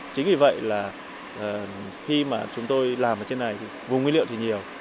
chính vì vậy là khi mà chúng tôi làm ở trên này thì vùng nguyên liệu thì nhiều